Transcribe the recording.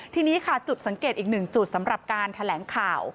ทีนี้ค่ะจุดสังเกตอีกหนึ่งจุดสำหรับการแถลงข่าว